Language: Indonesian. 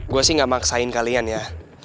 gue sih gak maksain kalian ya